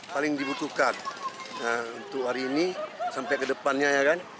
paling dibutuhkan untuk hari ini sampai ke depannya ya kan